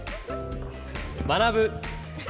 「学ぶ」。